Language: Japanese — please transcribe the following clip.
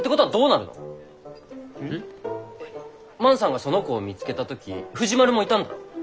万さんがその子を見つけた時藤丸もいたんだろ？